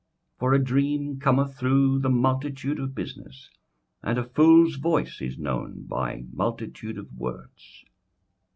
21:005:003 For a dream cometh through the multitude of business; and a fool's voice is known by multitude of words.